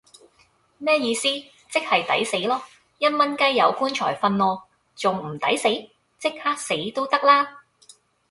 咩意思?即系抵死囉!一蚊雞有棺材訓喔,仲唔抵死?即刻死都得啦